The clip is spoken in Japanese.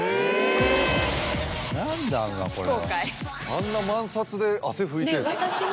あんな万札で汗拭いて。